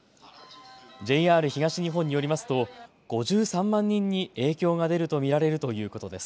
ＪＲ東日本によりますと５３万人に影響が出ると見られるということです。